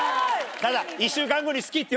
ただ。